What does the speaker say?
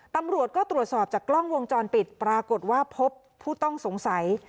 ตำรวจก็ตรวจสอบจากกล้องวงจรปิดปรากฏว่าพบผู้ต้องสงสัย